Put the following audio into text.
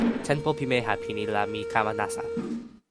tenpo pimeja pini la mi kama nasa.